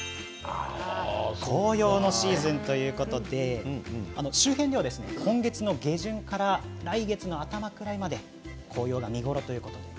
紅葉のシーズンということで周辺では今月の下旬から来月の頭ぐらいまで紅葉が見頃ということです。